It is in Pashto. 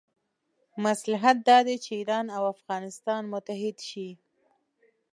مصلحت دا دی چې ایران او افغانستان متحد شي.